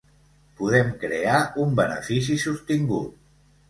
Podem crear un benefici sostingut.